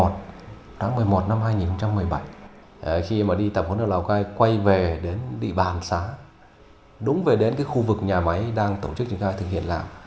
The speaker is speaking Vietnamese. tháng một mươi một năm hai nghìn một mươi bảy khi mà đi tập huấn ở lào cai quay về đến địa bàn xã đúng về đến khu vực nhà máy đang tổ chức triển khai thực hiện làm